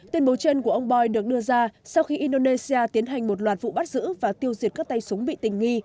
tuyên bố trên của ông boei được đưa ra sau khi indonesia tiến hành một loạt vụ bắt giữ và tiêu diệt các tay súng bị tình nghi